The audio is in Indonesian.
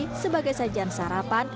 selalu dicari sebagai sajian sarapan